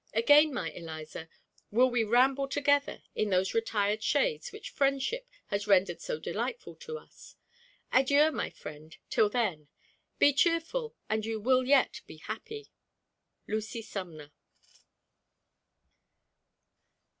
Again, my Eliza, will we ramble together in those retired shades which friendship has rendered so delightful to us. Adieu, my friend, till then. Be cheerful, and you will yet be happy. LUCY SUMNER.